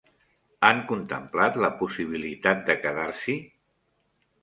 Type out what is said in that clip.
Han contemplat la possibilitat de quedar-s'hi.